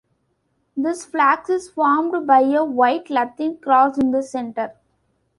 This flag is formed by a white Latin cross in the center.